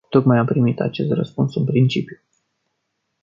Tocmai am primit acest răspuns în principiu.